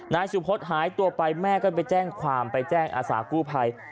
นายสุพธิ์หายตัวไปแม่ก็ไปแจ้งความไปแจ้งอาสากู้ภัย